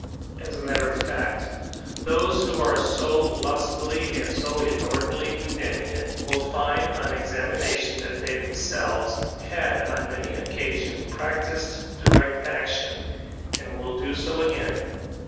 As a matter of fact, those who are so lustily and so inordinately condemning it, will find on examination that they themselves have on many occasions practised direct action, and will do so again.